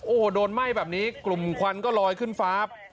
โอ้โหโดนไหม้แบบนี้กลุ่มควันก็ลอยขึ้นฟ้า